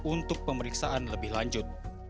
untuk pemeriksaan lebih lanjut